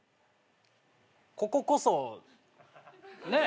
こここそねっ。